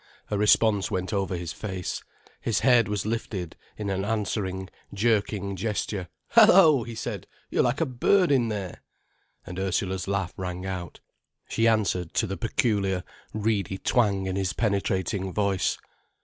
A response went over his face, his head was lifted in an answering, jerking gesture. "Hello!" he said. "You're like a bird in there." And Ursula's laugh rang out. She answered to the peculiar, reedy twang in his penetrating voice.